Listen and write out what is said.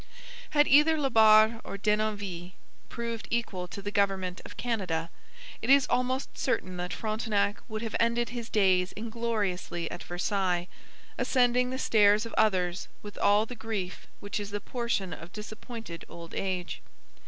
Had either La Barre or Denonville proved equal to the government of Canada, it is almost certain that Frontenac would have ended his days ingloriously at Versailles, ascending the stairs of others with all the grief which is the portion of disappointed old age.